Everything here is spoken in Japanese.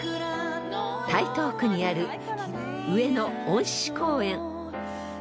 ［台東区にある］